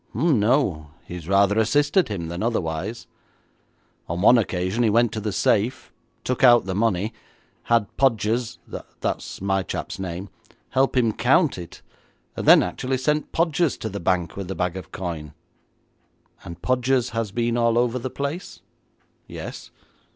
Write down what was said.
'Oh no, he has rather assisted him than otherwise. On one occasion he went to the safe, took out the money, had Podgers that's my chap's name help him to count it, and then actually sent Podgers to the bank with the bag of coin.' 'And Podgers has been all over the place?' 'Yes.'